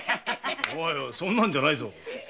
そんなんじゃないぞ。